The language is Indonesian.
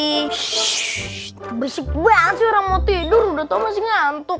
shhh besi banget sih orang mau tidur udah tau masih ngantuk